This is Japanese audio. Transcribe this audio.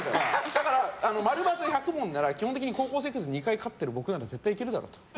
だから、○×１００問なら基本的に「高校生クイズ」２回勝ってる僕なら絶対いけるだろうと。